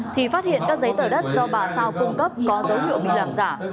thì phát hiện các giấy tờ đất do bà sao cung cấp có dấu hiệu bị làm giả